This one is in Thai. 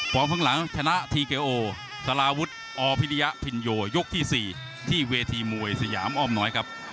ข้างหลังชนะทีเกโอสาราวุฒิอพิริยพินโยยกที่๔ที่เวทีมวยสยามอ้อมน้อยครับ